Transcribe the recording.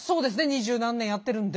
二十何年やってるんで。